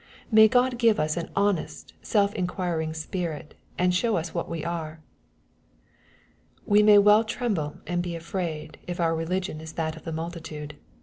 May Qod give us an honest, seli inquiring spirit, and show us what we are ! We may well tremble and be afraid, if our religion is that of the multitude.